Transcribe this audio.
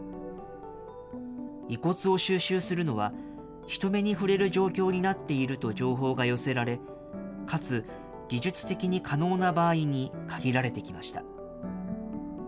遺骨を収集するのは、人目に触れる状況になっていると情報が寄せられ、かつ技術的に可能な場合に限られてきました。